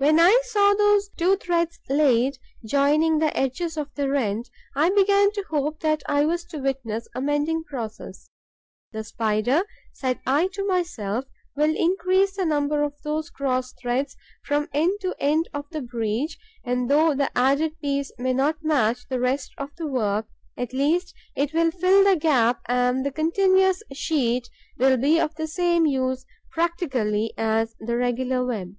When I saw those two threads laid, joining the edges of the rent, I began to hope that I was to witness a mending process: 'The Spider,' said I to myself, 'will increase the number of those cross threads from end to end of the breach; and, though the added piece may not match the rest of the work, at least it will fill the gap and the continuous sheet will be of the same use practically as the regular web.'